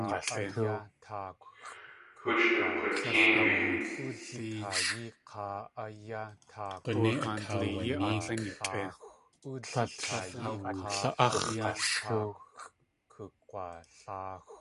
Hooch du k̲utéeni.